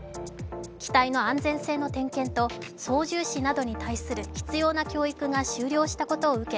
機体の安全性の点検と操縦士などに対する必要な教育が終了したことを受け